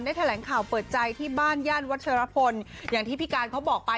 แถลงข่าวเปิดใจที่บ้านย่านวัชรพลอย่างที่พี่การเขาบอกไป